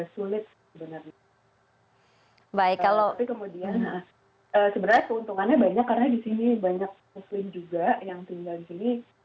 tapi kemudian sebenarnya keuntungannya banyak karena di sini banyak muslim juga yang tinggal di sini